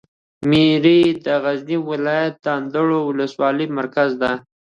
میری د غزني ولایت د اندړو د ولسوالي مرکز ده.